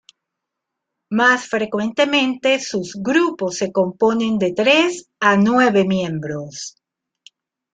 Más frecuentemente, sus grupos se componen de tres a nueve miembros.